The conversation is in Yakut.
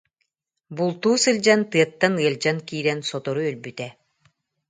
Бултуу сылдьан тыаттан ыалдьан киирэн сотору өлбүтэ